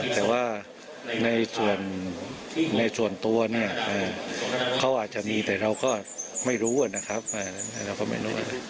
แต่ว่าในส่วนในส่วนตัวเนี่ยเขาอาจจะมีแต่เราก็ไม่รู้นะครับเราก็ไม่รู้